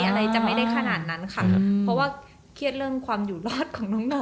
อะไรจะไม่ได้ขนาดนั้นค่ะเพราะว่าเครียดเรื่องความอยู่รอดของน้อง